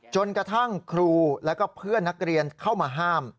จนกระทั่งครูแล้วก็เพื่อนนักเรียนเข้ามาห้าม